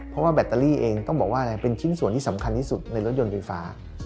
เพราะว่าแบตเตอรี่เองต้องบอกว่าอะไรเป็นชิ้นส่วนที่สำคัญที่สุดในรถยนต์ไฟฟ้า